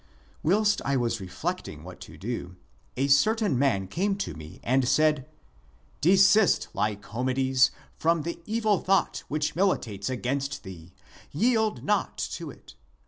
Whilst I was reflecting what to do, a certain man came to me and said, " Desist, Lycomedes, from the evil thought which militates against thee, yield not to it